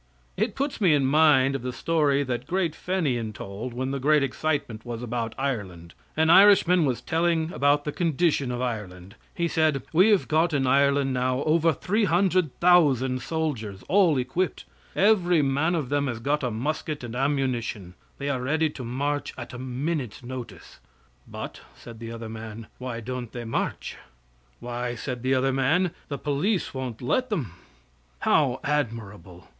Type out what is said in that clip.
It puts me in mind of the story that great Fenian told when the great excitement was about Ireland. An Irishman was telling about the condition of Ireland. He said: "We have got in Ireland now over 300,000 soldiers, all equipped. Every man of them has got a musket and ammunition. They are ready to march at a minute's notice." "But," said the other man, "why don't they march?" "Why," said the other man, "the police won't let them." How admirable!